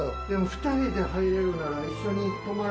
でも２人で入れるなら。